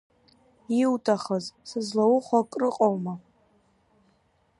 Иуҭахыз, сызлаухәо акрыҟоума?